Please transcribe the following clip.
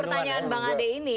pertanyaan bang ade ini